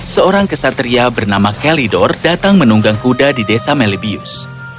seorang kesatria bernama kalidor datang menunggang kuda di desa melibius